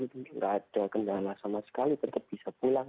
tidak ada kendala sama sekali tetap bisa pulang